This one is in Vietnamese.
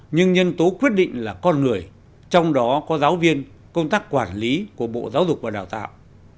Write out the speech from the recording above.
nhưng nhân tố quyết định là con người trong đó có giáo viên công tác quản lý của bộ giáo dục và đào tạo